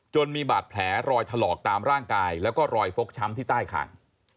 มีบาดแผลรอยถลอกตามร่างกายแล้วก็รอยฟกช้ำที่ใต้คาง